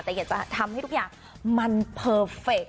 แต่อยากจะทำให้ทุกอย่างมันเพอร์เฟคต